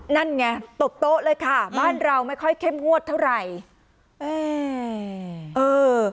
นั่นไงตบโต๊ะเลยค่ะบ้านเราไม่ค่อยเข้มงวดเท่าไหร่เออ